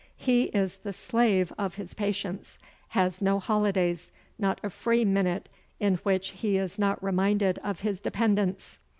He is the slave of his patients, has no holidays, not a free minute in which he is not reminded of his dependance.